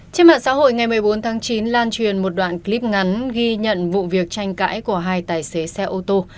trên mạng xã hội ngày một mươi bốn tháng chín lan truyền một đoạn clip ngắn ghi nhận vụ việc tranh cãi của hai tài xế xe ô tô